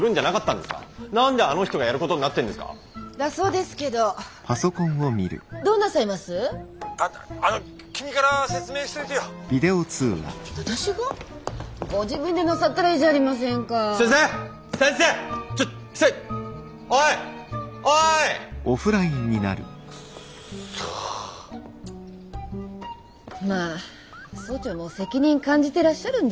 まあ総長も責任感じてらっしゃるんですよ。